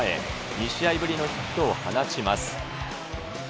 ２試合ぶりのヒットを放ちます。